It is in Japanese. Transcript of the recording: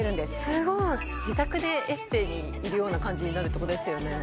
すごい自宅でエステにいるような感じになるってことですよね